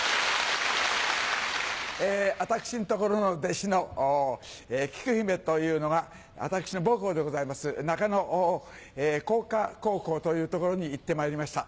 私んところの弟子のきく姫というのが私の母校でございます中野工科高校という所に行ってまいりました。